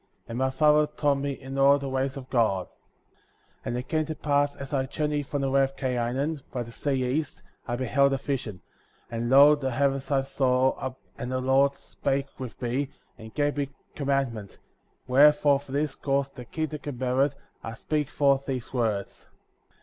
And my father taught me in all the ways of God.^ 42. And it came to pass, as I journeyed from the land of Cainan, by the sea east, I beheld a vision; and lo, the heavens I saw, and the Lord spake with me, and gave me commandment; wherefore, for this cause, to keep the commandment, I speak forth these words.